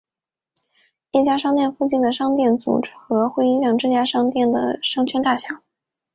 一家商店附近的商店组合会影响这家商店的商圈大小。